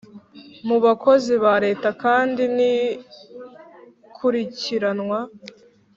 mu bakozi ba leta kandi n’ikurikiranwa